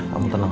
kamu tenang ya